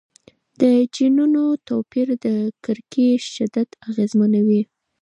د جینونو توپیر د کرکې شدت اغېزمنوي.